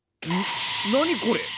何これ？